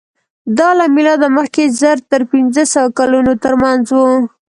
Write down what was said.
دا له مېلاده مخکې زر تر پینځهسوه کلونو تر منځ وو.